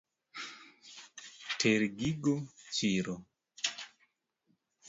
Ter gigo chiro.